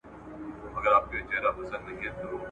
پته معلوميږي.